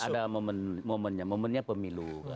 ini ada momennya momennya pemilu kan